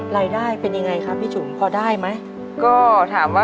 รายได้เป็นอย่างไรครับพี่จุ๋มพ่อได้ไหม